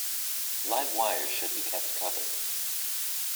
Live wires should be kept covered.